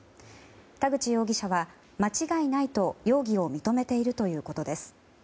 田口容疑者は間違いないと容疑を認めているということです。